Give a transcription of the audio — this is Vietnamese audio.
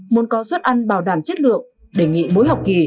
muốn có suất ăn bảo đảm chất lượng đề nghị mỗi học kỳ